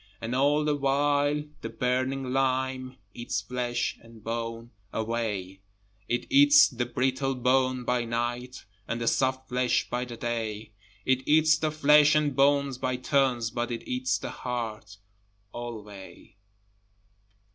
And all the while the burning lime Eats flesh and bone away, It eats the brittle bone by night, And the soft flesh by the day, It eats the flesh and bones by turns, But it eats the heart alway.